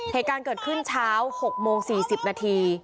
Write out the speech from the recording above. เหตุการณ์เกิดขึ้นเช้า๖โมง๔๐นาที